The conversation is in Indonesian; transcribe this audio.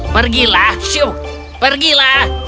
pergilah syuh pergilah